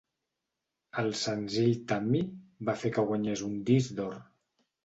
El senzill "Tammy" va fer que guanyés un disc d'or.